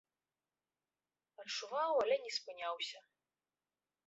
Адчуваў, але не спыняўся.